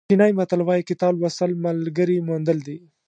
چینایي متل وایي کتاب لوستل ملګري موندل دي.